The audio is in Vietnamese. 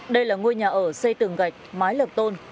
đây là ngôi nhà ở xây tường gạch mái lập tôn